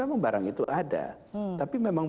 memang barang itu ada tapi memang